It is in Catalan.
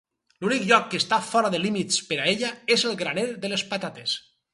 L'únic lloc que està fora de límits per a ella és el graner de les patates.